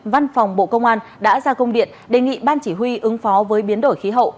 văn phòng bộ công an đã ra công điện đề nghị ban chỉ huy ứng phó với biến đổi khí hậu